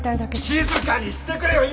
静かにしてくれよ！